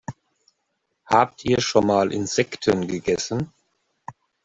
Habt ihr schon mal Insekten gegessen?